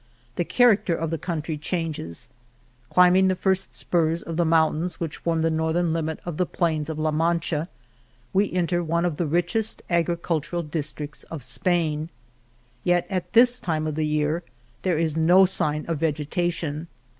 The character of the country changes. Climbing the first spurs of the mountains which form the northern limit of the plains of La Mancha, we enter one of the richest agricultural districts of Spain. Yet at this "9 El Toboso time of the year there is no sign of vegeta tion.